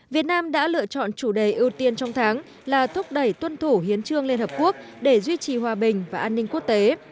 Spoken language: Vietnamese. việt nam đã lựa chọn chủ đề ưu tiên trong tháng là thúc đẩy tuân thủ hiến trương liên hợp quốc để duy trì hòa bình và an ninh quốc tế